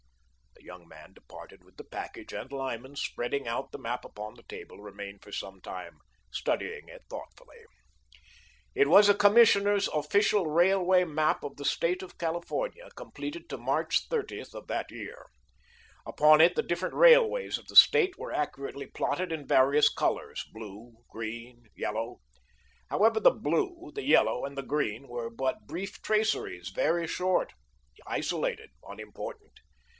The young man departed with the package and Lyman, spreading out the map upon the table, remained for some time studying it thoughtfully. It was a commissioner's official railway map of the State of California, completed to March 30th of that year. Upon it the different railways of the State were accurately plotted in various colours, blue, green, yellow. However, the blue, the yellow, and the green were but brief traceries, very short, isolated, unimportant.